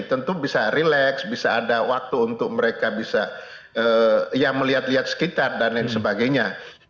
tentu bisa relax bisa ada waktu untuk mereka bisa ya melihat lihat sekitar dan lain sebagainya